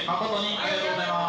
ありがとうございます！